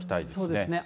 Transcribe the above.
そうですね。